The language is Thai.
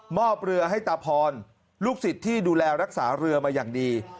อบเรือให้ตาพรลูกศิษย์ที่ดูแลรักษาเรือมาอย่างดี